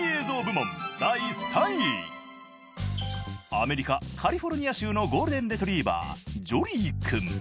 アメリカカリフォルニア州のゴールデンレトリーバージョリー君。